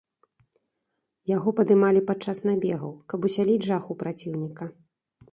Яго падымалі падчас набегаў, каб усяліць жах у праціўніка.